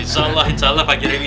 insya allah insya allah pak juremi